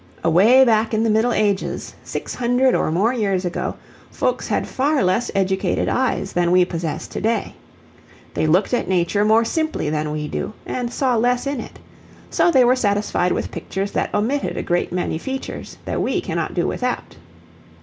Away back in the Middle Ages, six hundred and more years ago, folks had far less educated eyes than we possess to day. They looked at nature more simply than we do and saw less in it. So they were satisfied with pictures that omitted a great many features we cannot do without.